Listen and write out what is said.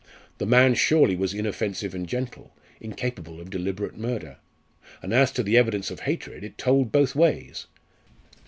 The man surely was inoffensive and gentle, incapable of deliberate murder. And as to the evidence of hatred, it told both ways.